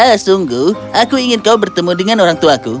ya sungguh aku ingin kau bertemu dengan orangtuaku